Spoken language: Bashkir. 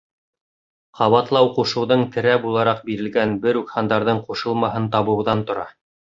Ҡабатлау-ҡушыуҙың терә булараҡ бирелгән бер үк һандарҙың ҡушылмаһын табыуҙан тора